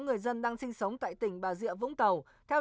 người dân đang sinh sống tại tỉnh bà diệ vũng tàu theo